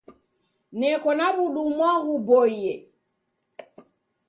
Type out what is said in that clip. Neko na w'udumwa ghuboie.